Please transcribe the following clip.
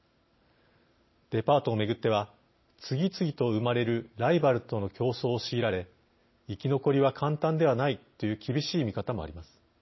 デパートを巡っては次々と生まれるライバルとの競争を強いられ生き残りは簡単ではないという厳しい見方もあります。